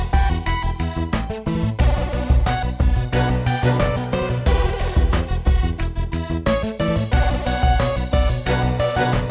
terima kasih terima kasih terima kasih